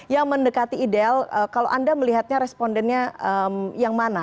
yang mendekati ideal kalau anda melihatnya respondennya yang mana